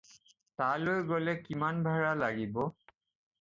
তালৈ গ'লে কিমান ভাড়া লাগিব?